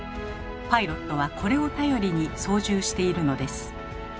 パイロットはこれを頼りに操縦しているのです。